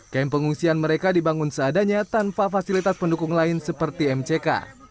kamp pengungsian mereka dibangun seadanya tanpa fasilitas pendukung lain seperti mck